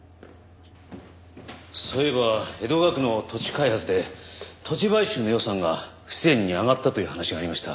そういえば江戸川区の土地開発で土地買収の予算が不自然に上がったという話がありました。